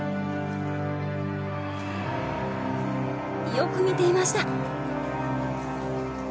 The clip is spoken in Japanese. よく見ていました。